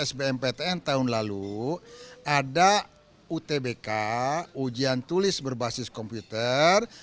sbmptn tahun lalu ada utbk ujian tulis berbasis komputer